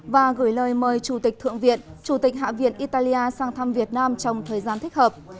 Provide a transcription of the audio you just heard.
và gửi lời mời chủ tịch thượng viện chủ tịch hạ viện italia sang thăm việt nam trong thời gian thích hợp